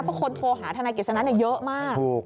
เพราะคนโทรหาทนายกฤษณะเยอะมาก